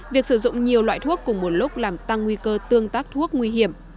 việc sử dụng nhiều loại thuốc cùng một lúc làm tăng nguy cơ tương tác thuốc nguy hiểm